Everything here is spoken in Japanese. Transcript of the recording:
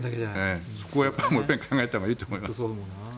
そこはもう一遍考えたほうがいいと思います。